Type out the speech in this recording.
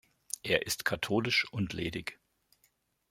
Er ist katholisch und ledig.